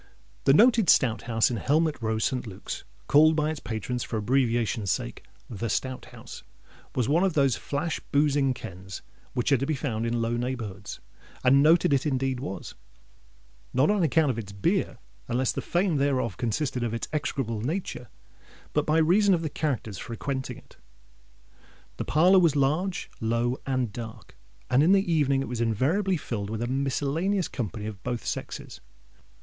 The Noted Stout House in Helmet Row, St. Luke's—called by its patrons, for abbreviation's sake, the Stout House—was one of those flash boozing kens which are to be found in low neighbourhoods. And noted it indeed was—not on account of its beer, unless the fame thereof consisted in its execrable nature—but by reason of the characters frequenting it. The parlour was large, low, and dark; and in the evening it was invariably filled with a miscellaneous company of both sexes.